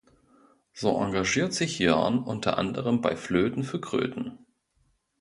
So engagiert sich Jörn unter anderem bei Flöten für Kröten.